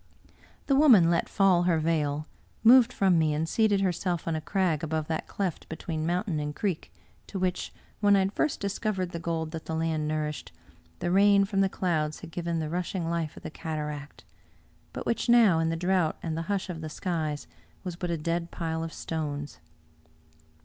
The woman let fall her veil, moved from me, and seated herself on a crag above that cleft between mountain and creek, to which, when I had first discovered the gold that the land nourished, the rain from the clouds had given the rushing life of the cataract ; but which now, in the drought and the hush of the skies, was but a dead pile of stones.